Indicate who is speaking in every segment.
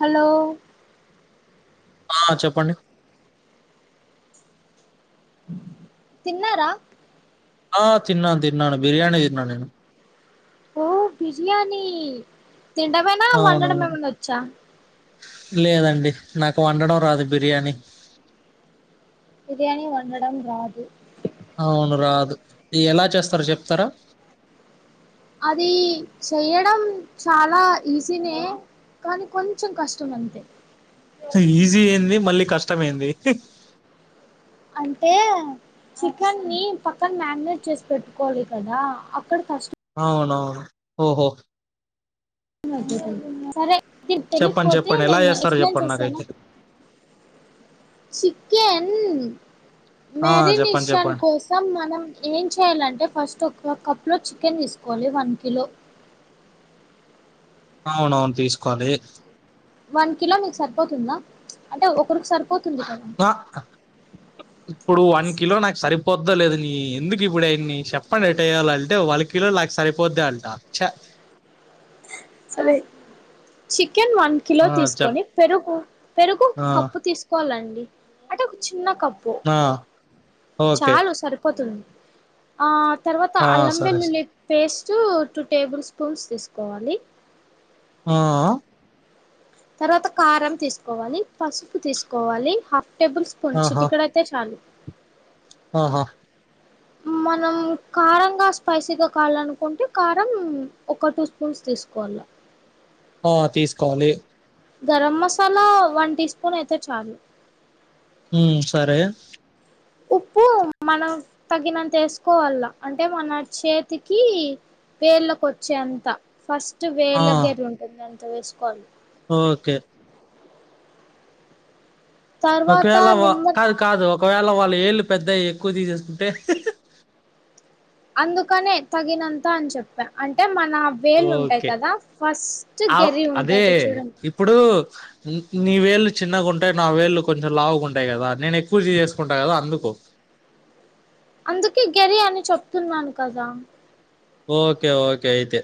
Speaker 1: Hello
Speaker 2: ఆ చెప్పండి
Speaker 1: తిన్నారా?
Speaker 2: ఆ తిన్నాను తిన్నాను బిర్యానీ తిన్నాను నేను
Speaker 1: ఓ బిర్యానీ తినడమేనా వండడం
Speaker 2: అవునవును.
Speaker 1: ఏమనా వచ్చా?
Speaker 2: లేదండి నాకు వండడం రాదు బిర్యానీ.
Speaker 1: బిర్యానీ వండడం రాదు
Speaker 2: అవును రాదు ఎలా చేస్తారో చెప్తారా?
Speaker 1: అది చెయడం చాలా ఈజీనే కానీ కొంచెం కష్టం అంతే
Speaker 2: ఈజీ ఏంది, మళ్ళీ కష్టమ ఏంది హ్
Speaker 1: అంటే చికెన్ ని పక్కన మ్యారినేట్ చేసి పెట్టుకోవాలి కదా అక్కడ ఫస్ట్
Speaker 2: అవునవును ఓహో
Speaker 1: సరే తిర్
Speaker 2: చెప్పండి,
Speaker 1: తెలియకపోతే
Speaker 2: చెప్పండి. ఎలా
Speaker 1: నేను
Speaker 2: చేస్తారో
Speaker 1: ఎక్స్ప్లెయిన్
Speaker 2: చెప్పండి
Speaker 1: చేశానా
Speaker 2: నాకైతే.
Speaker 1: చికెన్
Speaker 2: ఆ! చెప్పండి,
Speaker 1: మ్యారినేషన్
Speaker 2: చెప్పండి.
Speaker 1: కోసం మనం ఏం చేయ్యాలంటే ఫస్ట్ ఒక కప్లో చికెన్ తీసుకోవాలి వన్ కిలో
Speaker 2: అవునవును తీసుకోవాలి
Speaker 1: వన్ కిలో మీకు సరిపోతుందా చ్ అంటే ఒ
Speaker 2: బకా ఇప్పుడు వన్ కిలో నాకు సరి పొద్దలేదుని ఎందుకు ఇప్పుడు ఇయన్ని చెప్పండి ఎట్ య్యాలి అంటే వాళ్ళకి కిలో లక్ సారిపోద్ద అంట చ్చ
Speaker 1: సదే చ్చి చికెన్ వన్ కిలో
Speaker 2: ఆ! చెప్
Speaker 1: తీసుకొని పెరుగు పెరుగు ఒక
Speaker 2: ఆ!
Speaker 1: కప్పు తీసుకోవాలండి అంటే చిన్న కప్పు
Speaker 2: ఆ! ఓకే.
Speaker 1: చాలు సరిపోతుంది ఆ తర్వాత
Speaker 2: ఆ!
Speaker 1: అల్లం
Speaker 2: సరే. సరే.
Speaker 1: వెల్లుల్లి పేస్ట్ టూ టేబుల్ స్పూన్స్ తీసుకోవాలి.
Speaker 2: ఆ
Speaker 1: తర్వాత కారం తీసుకోవాలి పసుపు తీసుకోవాలి టేబుల్ స్పూన్స్ చిటికెడైతే చాలు
Speaker 2: అహ
Speaker 1: మనం కారంగా స్పైసీగా కావాలనుకుంటే కారం ఒక టూ స్పూన్స్ తీసుకోవాలి
Speaker 2: ఆ తీసుకోవాలి
Speaker 1: garam masala one teaspoon అయితే చాలు
Speaker 2: ఉ సరే
Speaker 1: ఉప్పు మనం తగినంత ఏసుకోవాల అంటే మన చేతికి వేళ్ళకొచ్చే అంత ఫస్ట్
Speaker 2: ఆ!
Speaker 1: వేళ గెరి ఉంటుంది అంత వేసుకోవాలి
Speaker 2: ఓకే
Speaker 1: తర్వాత
Speaker 2: ఒకవేళ వ
Speaker 1: నిమ్మ
Speaker 2: కాదు కాదు ఒకవేళ వాళ్ళ ఏళ్ళు పెద్దవి ఎక్కువ తీసేకుంటే
Speaker 1: అందుకనే తగినంత అని చెప్పా అంటే మ నా వేలుు ఉంటాయి
Speaker 2: ఓకే.
Speaker 1: కదా ఫస్ట్
Speaker 2: ఆవ్
Speaker 1: గరి
Speaker 2: అదే
Speaker 1: ఉంటది చూడం
Speaker 2: ఇప్పుడు న్ నీ వేళ్ళు చిన్నగా ఉంటాయి నా వీళ్ళు కొంచెం లావుగా ఉంటాయి కదా నేను ఎక్కువ చిసేసుకుంటా కదా అందుకు
Speaker 1: అందుకే గెరి అని చెప్తున్నాను కదా
Speaker 2: ఓకే ఓకే అయితే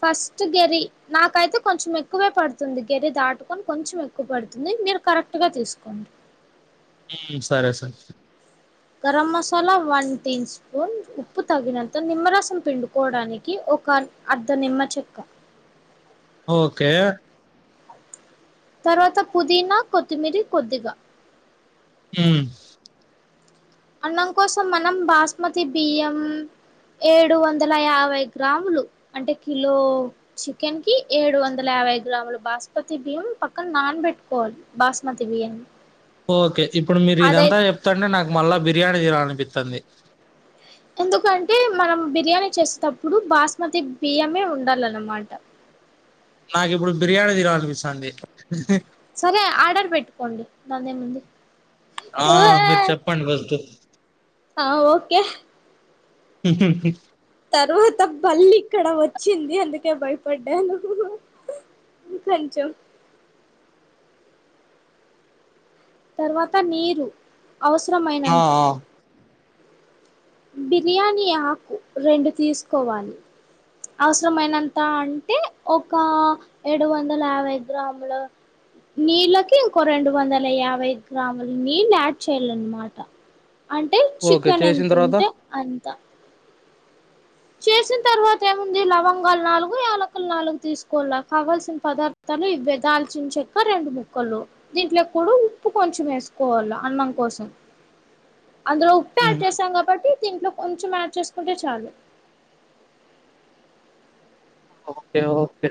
Speaker 1: ఫస్ట్ గెరి నాకైతే కొంచెం ఎక్కువే పడుతుంది గెరి దాటుకొని కొంచెం ఎక్కువ పడుతుంది మీరు కరెక్ట్ గా తీసుకోండి
Speaker 2: ఉ సరే సరే
Speaker 1: garam masala one teaspoon ఉప్పు తగినంత నిమ్మరసం పిండుకోవడానికి ఒక అ అర్ద్ద నిమ్మ చెక్క
Speaker 2: ఓకే
Speaker 1: తర్వాత పుదీనా కొత్తిమీర కొద్దిగా
Speaker 2: ఉ
Speaker 1: అన్నం కోసం మనం బాస్మతి బియ్యం ఏడు వందల యాభై గ్రాములు అంటే కిలో చికెన్ కి ఏడు వందల యా వై గ్రాములు బాస్మతి బియం పక్కన నాన్ వెెట్కోల్ కోవాలి బాస్మతి బియం
Speaker 2: ఓకే ఇప్పుడు మీరు ఇదంతా చెప్తండి నాకు మళ్ళా బిర్యానీ తీనాలనిపితాంది
Speaker 1: ఎందుకంటే మనం బిర్యానీ చేసేటప్పుడు బాస్మతి బియ్యమే ఉండాలన్నమాట
Speaker 2: నాకిప్పుడు బిర్యానీ తీనాలనిపితాంది
Speaker 1: సరే ఆర్డర్ పెట్టుకోండి దాందేముంది
Speaker 2: ఆ మీరు చెప్పండి ఫస్ట్
Speaker 1: ఆ ఓకే
Speaker 2: ఫస్టు.
Speaker 1: తర్వాత బళ్ల్లి ఇక్కడ వచ్చింది అందుకే భయపడ్డాను కొంచం తర్వాత నీరు
Speaker 2: ఆ
Speaker 1: అవసరమైనంత
Speaker 2: ఆ
Speaker 1: బిర్యానీ ఆకు రెండు తీసుకోవాలి అవసరమైనంత అంటే ఒక ఏడు వందల యాభై గ్రాముల నీళ్ళకి ఇంకో రెండు వందల యాభై గ్రాములు నీళ్ళు యాడ్ చేయలన్నమాట అంటే
Speaker 2: ఓకే
Speaker 1: చికెన్
Speaker 2: చేసిన
Speaker 1: ఎంత
Speaker 2: తర్వాత
Speaker 1: ఉంటే అంత చేసిన తర్వాత ఏముంది లవంగాలు నాలుగు యాలకలు నాలుగు తీసుకోల్ల కావల్సిన పదార్థ ఇవే దాల్చించక్క రెండు ముక్కలు దీంట్లో కూడా ఉప్పు కొంచెం వేసుకోవాలి అన్నం కోసం అందులో ఉప్పి యాడ్
Speaker 2: ఉహు
Speaker 1: చేసాం కాబట్టి దీంట్లో కొంచెం యాడ్ చేసుకుంటే చాలు
Speaker 2: ఓకే ఓకే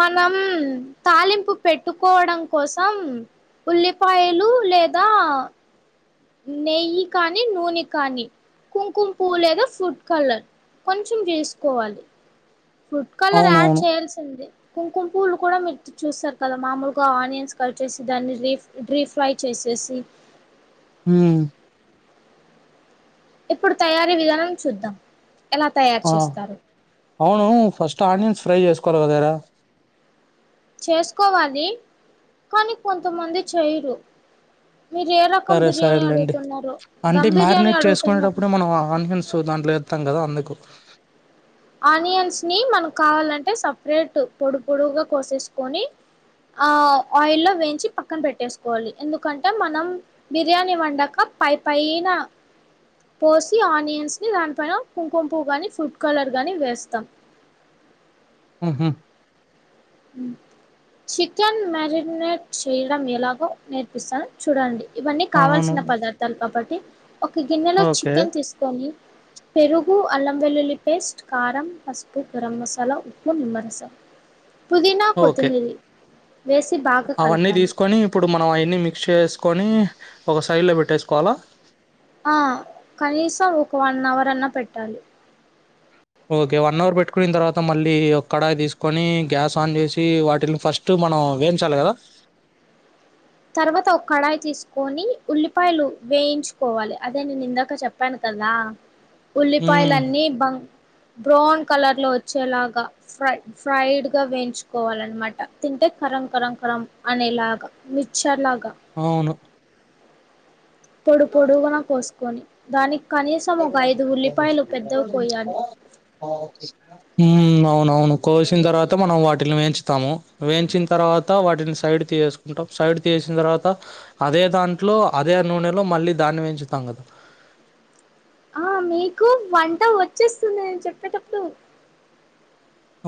Speaker 1: మనం తాలింపు పెట్టుకోవడం కోసం ఉల్లిపాయలు లేదా నెయ్యి కానీ నూనె కానీ కుంకుంపు లేదా ఫుడ్ కలర్ కొంచెం వేసుకోవాలి ఫుడ్ కలర్ యాడ్
Speaker 2: అవునవును
Speaker 1: చేయాల్సింది కుంకుమ పూలు కూడా మీరు చూస్తారు కదా మామూలుగా ఆనియన్స్ కట్ చేసి దాన్ని రీ రీ ఫ్రై చేసి చేేసి
Speaker 2: ఉ
Speaker 1: ఇప్పుడు తయారీ విధానం చూద్దాం ఎలా తయారు
Speaker 2: ఆ
Speaker 1: చేస్తారు
Speaker 2: అవును ఫస్ట్ ఆనియన్స్ ఫ్రై చేసుకోవాలి కదర
Speaker 1: చేసుకోవాలి కానీ కొంతమంది చేయరు మీరు ఏ రకం
Speaker 2: సరే
Speaker 1: బిర్యానీ
Speaker 2: సరేలేండి
Speaker 1: అడుగుతున్నారు
Speaker 2: అంటే
Speaker 1: దమ్ బిర్యానీ
Speaker 2: మ్యాగినేట్
Speaker 1: అడుగుతున్నారు
Speaker 2: చేసుకునేటప్పుడు మనం ఆనియన్స్ దాంట్లో త్తం కద అందుకు
Speaker 1: ఆనియన్స్ ని మనకు కావాలంటే సపరేట్ పొడు పొడుగుగా కోసేసుకొని ఆ ఆయిల్లో వేయించి పక్కన పెట్టేసుకోవాలి ఎందుకంటే మనం బిర్యానీ వండక పై పయినా పోసి ఆనియన్స్ ని దాని పైన కుంకుంపువ్వు గాని ఫుడ్ కలర్ గాని వేస్తం
Speaker 2: హు హూ
Speaker 1: హ చికెన్ మ్యాగినేట్ చేయడం ఎలాగో నేర్పిస్తాను చూడండి ఇవన్నీ
Speaker 2: అవును
Speaker 1: కావాల్సిన పదార్థాలు కాబట్టి ఒక గిన్నెలో
Speaker 2: ఓకే
Speaker 1: చికెన్ తీసుకొని పెరు ఉప్పు అల్లం వెల్లుల్లి పేస్ట్ కారం పసుపు గరం మసాలా ఉప్పు నిమ్మ రసం పుదినా
Speaker 2: ఓకే
Speaker 1: కొత్తిమీరి
Speaker 2: అవన్నీ తీసుకొని ఇప్పుడు మనం అవన్నీ మిక్స్ చేస్ కొని ఒక సైడ్లో పెట్టేసుకోవాలా
Speaker 1: ఆ కనీసం ఒక వన్ అవర్ అన్నా పెట్టాలి
Speaker 2: ఓకే వన్ అవర్ పెట్టుకున్న తర్వాత మళ్ళీ ఒ కడాయి తీసుకొని గ్యాస్ ఆన్ చేసి వాటిని ఫస్ట్ మనం వేంచాల కదా
Speaker 1: తర్వాత ఒక కడాయి తీసుకొని ఉల్లిపాయలు వేయించుకోవాలి అదే నేను ఇందాక చెప్పాను కద కా
Speaker 2: ఉమ్
Speaker 1: ఉల్లిపాయలన్నీ బం బ్రౌన్ కలర్ లో వచ్చేలాగా ఫై ఫ్రైడ్ గా వేయించుకోవాలనమాట తి కరం కరం కరం అనేలాగా మిక్షర్ గా
Speaker 2: అవును
Speaker 1: పొడు పొడుగున పోసుకొని దానికి కనీసం
Speaker 2: ఓకే
Speaker 1: ఒక ఐదు ఉల్లిపాయలు పెద్దవి కోయాలి
Speaker 2: ఉమ్ అవునవును కోసిన తర్వాత మనం వాటిని వేంచుతాము వేయించిన తర్వాత వాటిని సైడ్ చేసుకుంటాం సైడ్ తీసిన తర్వాత అదే దాంట్లో అదే నూనెలో మళ్ళీ దాన్ని వెంచుతాం
Speaker 1: ఆ మీకు వంట వచ్చేస్తుందిను చెప్పేటప్పుడు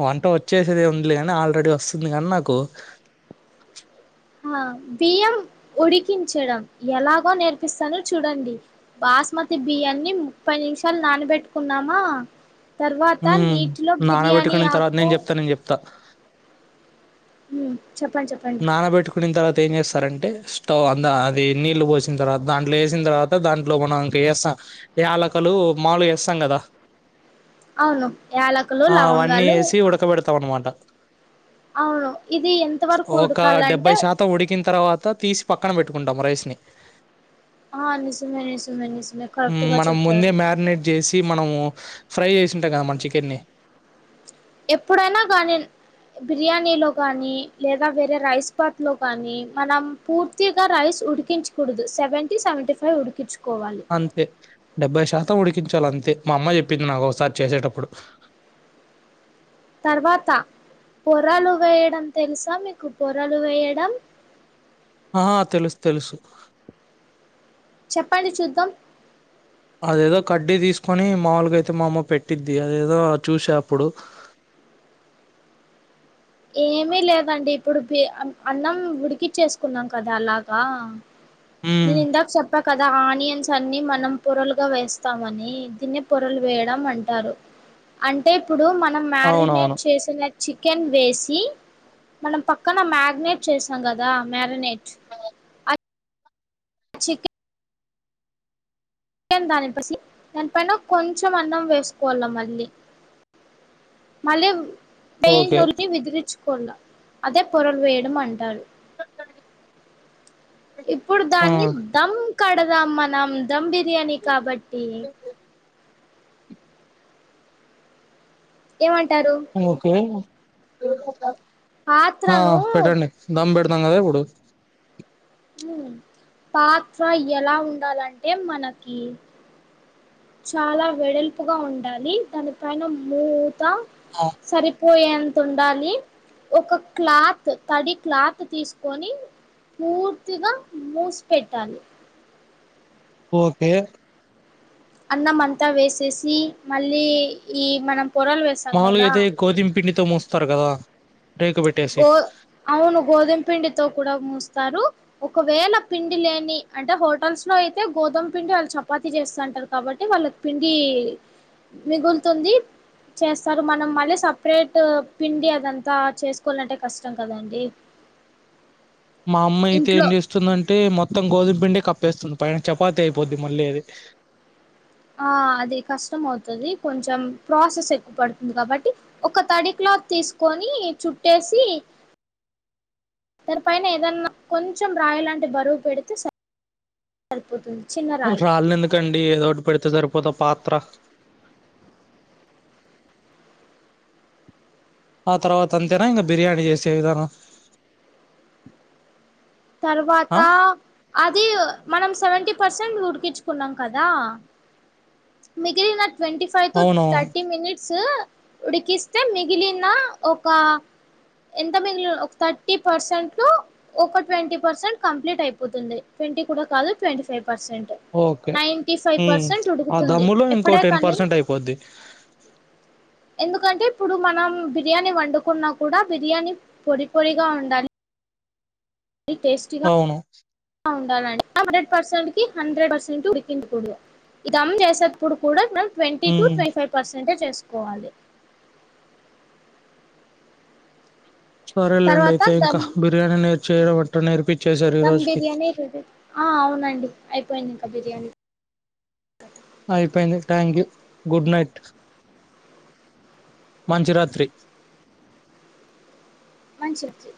Speaker 2: వంట వచ్చేసేది ఉందిలే కాని ఆల్రెడీ వస్తుంది లే కాని నాకు
Speaker 1: ఆ బియ్యం ఉడికించడం ఎలాగో నేర్పిస్తానో చూడండి బాస్మతి బియ్యాన్ని ముప్పై నిమిషాలు నానబెట్టుకున్నామా తర్వాత
Speaker 2: ఉమ్
Speaker 1: నీటిలో బిర్యానీ
Speaker 2: నానబెట్టుకున్న తర్వాత
Speaker 1: ఆకు
Speaker 2: నేను చెప్తా నేను చెప్తా
Speaker 1: మ్
Speaker 2: నాన్న పెట్టుకుని తరువాత అ ఏం చేస్తారంటే స్టవ్ అందా అది నీళ్ళు పోసిన తర్వాత దాంట్లో వేసిన తర్వాత దాంట్లో మనం ఇంక వేస్తాం యాలకలు మామలు గా ఏస్తాం కదా
Speaker 1: అవును యాలకులు
Speaker 2: ఆ అవన్నీ
Speaker 1: లవంగాలు
Speaker 2: వేసి ఉడకబెడతాం అన్నమాట
Speaker 1: అవును ఇది ఎంత వరకు
Speaker 2: ఒక
Speaker 1: ఉడకాలంటే
Speaker 2: డెబ్బై శాతం ఉడికిన తర్వాత తీసి పక్కన పెట్టుకుంటాం రైస్ ని
Speaker 1: హ నిజమే నిజమే నిజమే కరెక్ట్ గా
Speaker 2: మనం ముందే
Speaker 1: చెప్పారు
Speaker 2: మ్యారినేట్ చేసి మనము ఫ్రై చేసింటాగా మన చికెన్ని
Speaker 1: ఎప్పుడైనా కానీ బిర్యానీ లో గానీ లేదా వేరే రైస్ పాత్ లో గాని మనం పూర్తిగా రైస్ ఉడికించు కుడుదు సవెంటీ సవెంటీ ఫైవ్ ఉడికించు
Speaker 2: అంతే డెబ్బై శాతం ఉడికించాలి అంతే మా అమ్మ చెప్పింది నాకు ఒకసారి చేసేటప్పుడు
Speaker 1: తర్వాత పొరలు వేయడం తెలుసా మీకు పొరలు వేయడం
Speaker 2: ఆ తెలుసు తెలుసు
Speaker 1: చెప్పండి చూద్దాం
Speaker 2: అదేదో కడ్డీ తీసుకొని మాములుగా అయితే మా అమ్మ పెట్టిద్ది అదేదో చూసే అప్పుడు
Speaker 1: ఏమిీ లేదండి ఇప్పుడు అన్నం ఉడికిచ్చేసుకున్నాం కదా అలాగా న
Speaker 2: ఉమ్
Speaker 1: నిందా చేప్ప ఇప్ప కదా ఆనియన్స్ అన్నిీ మనం పొరలుగా వేస్తామని దీన్నిే పొరలు వేయడం అంటారు అంటే ఇప్పుడు మనం మ్యారినేట్
Speaker 2: అవునవును
Speaker 1: చేసిన చికెన్ వేస్ సి మనం పక్కన మ్యారినట్ చేసాం కదా మ్యారినట్ చీకి దాని దానిపైన కొంచెం అన్నం వేసుకోవాల మళ్ళీ మళ్ళీ
Speaker 2: ఓకే
Speaker 1: బయని విదిరించుకోాల అదే పొరలు వేయడం అంటారు ఇప్పుడు
Speaker 2: ఆ
Speaker 1: దాన్ని దమ్ కడదాం మనం దమ్ బి బిర్యానీ కాబట్టి ఏవంటంటి
Speaker 2: ఓకే
Speaker 1: పాత్రను
Speaker 2: పెట్టండి దమ్ పెడుతు నంగ అదే కుడు
Speaker 1: పాత్ర ఎలా ఉండాలంటే మనకి చాలా వెడల్పుగా ఉండాలి దాని పైన మూత
Speaker 2: ఆ,
Speaker 1: సరి పోయేంత ఉండాలి ఒక క్లాత్ తడి క్లాత్ తీసుకొని పూర్తిగా మూసిపెట్టాలి
Speaker 2: ఓకే
Speaker 1: అన్నం అంతా వేసేసి మళ్ళీ ఈ మనం పొరలు వేసాం
Speaker 2: మాలు
Speaker 1: కదా
Speaker 2: ఏదై గోధిం పిండితో మూస్తారు కదా రేకు పెట్టేసి
Speaker 1: గో అవును గోధుమ పిండితో కూడా ముస్ స్తారు ఒకవేళ పిండి లేని అంటే హోటల్స్లో అయితే గోధుమ పిండి వాళ్ చపాతి చేస్త టర్ కాబట్టి వాళ్ళక్ పిండి మిగులుతుంది. చేస్తారు మనం మళ్ళీ సపరేట్ పిండి అదంతా చేస్ కోవాలంటే కష్టం కదండి.
Speaker 2: మా అమ్మైతే ఏం
Speaker 1: ఇంట్లో
Speaker 2: చేస్తుందంటే మొత్తం గోధుమ్ పిండి కప్పేస్తుంది పైన చపాతి అయిపోద్ది మళ్ళీ అది
Speaker 1: ఆ అది కష్టం అవుతది కొంచం ప్రాసెస్ ఎక్కువ పడుతుంది కాబట్టి ఒక తడి క్లా క్లాత్ తీస్కొనీ చుట్టేసి దానిపైన ఏదన్నా కొంచం రాయి లాంటి బరువు పెడితే సరి సరిపోతుంది. చిన్న రాయి
Speaker 2: రాళ్ళెందుకండి ఏదోట్ పెడుతే సరిపోదా పాత్ర ఆ తర్వాత అంతేనా ఇంగ బిర్యానీ చేసే విధానం ఆ
Speaker 1: తర్వాతా అదీ మనం సెవెంటీ పర్సెంట్ ఉడికిచ్చుకున్నాం కదా మిగిలిన ట్వంటీ ఫైవ్ టు
Speaker 2: అవునవును
Speaker 1: థర్టీ మినిట్స్ ఉడికిస్తే మిగిలిన ఒకా ఎంత మిగిన ఒక థర్టీ పర్సెంట్ టూ ఒక ట్వంటీ పర్సెంట్ కంప్లీట్ అయిపోతుంది ట్వంటీ కూడా కాదు twenty five percent
Speaker 2: okay
Speaker 1: ninety five
Speaker 2: మ్
Speaker 1: పర్సెంట్
Speaker 2: ఆ
Speaker 1: ఉడుకుతుంది
Speaker 2: దమ్ములో ఇంకో
Speaker 1: ఎప్పుడే
Speaker 2: టెన్
Speaker 1: కానీ
Speaker 2: పర్సెంట్ అయిపోద్ది. ఆ
Speaker 1: ఎందుకంటే ఇప్పుడు మనం బిర్యానీ వండుకున్నా కూడా బిర్యానీ పొడి పొడిగా ఉండాలి.
Speaker 2: అవును
Speaker 1: ఉండాలం హండ్రెడ్ పర్సెంట్కి హండ్రెడ్ పర్సెంట్ ఉడికించకూడదు. ఈ ధమ్ చేసే అప్పుడు కూడా నా twenty to
Speaker 2: um
Speaker 1: twenty five పర్సెంటే చేస్కోవాలి.
Speaker 2: సారే లెండి
Speaker 1: తర్వాత
Speaker 2: అయితే ఇంకా
Speaker 1: దమ్
Speaker 2: బిర్యానీ నేర్చేయడం అంటే నేర్పిచ్చేసారు ఈ
Speaker 1: దమ్
Speaker 2: రోజుకి
Speaker 1: బిర్యానీ రెడీ ఆ అవునండి అయిపోయింది ఇంక బిర్యానీ
Speaker 2: అయిపోయింది థ్యాంక్ యూ గుడ్ నైట్ మంచి రాత్రి.
Speaker 1: మంచి రాత్రి.